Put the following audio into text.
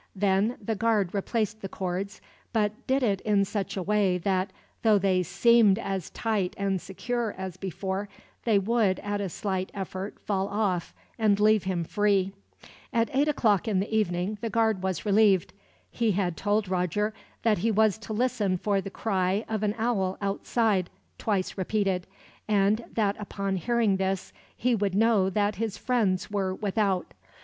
Then the guard replaced the cords, but did it in such a way that, though they seemed as tight and secure as before, they would at a slight effort fall off, and leave him free. At eight o'clock in the evening the guard was relieved. He had told Roger that he was to listen for the cry of an owl outside, twice repeated; and that upon hearing this, he would know that his friends were without.